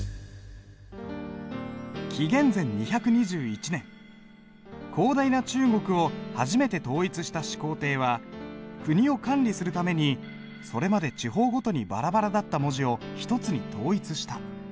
紀元前２２１年広大な中国を初めて統一した始皇帝は国を管理するためにそれまで地方ごとにばらばらだった文字を一つに統一した。